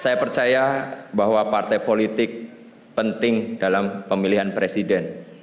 saya percaya bahwa partai politik penting dalam pemilihan presiden